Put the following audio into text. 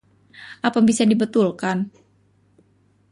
Apa bisa dibetulkan?